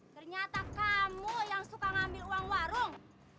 ternyata kamu yang suka ngambil uang warung